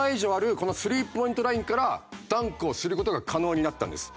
この３ポイントラインからダンクをする事が可能になったんです。